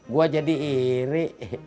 gue jadi iri